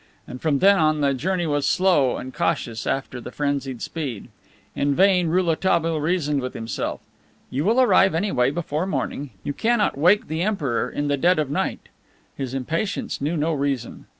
And from then on the journey was slow and cautious after the frenzied speed. In vain Rouletabille reasoned with himself. "You will arrive anyway before morning. You cannot wake the Emperor in the dead of night." His impatience knew no reason.